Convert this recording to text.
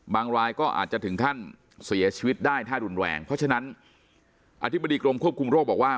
รายก็อาจจะถึงขั้นเสียชีวิตได้ถ้ารุนแรงเพราะฉะนั้นอธิบดีกรมควบคุมโรคบอกว่า